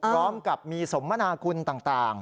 พร้อมกับมีสมมนาคุณต่าง